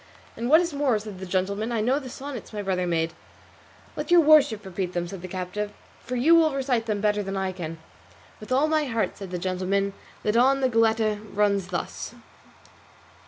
"And what is more," said the gentleman, "I know the sonnets my brother made." "Then let your worship repeat them," said the captive, "for you will recite them better than I can." "With all my heart," said the gentleman; "that on the Goletta runs thus."